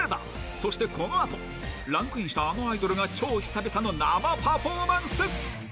そしてこのあと、ランクインしたあのアイドルが超久々の生パフォーマンス。